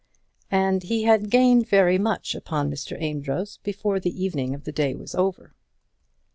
And he had gained very much upon Mr. Amedroz before the evening of the day was over.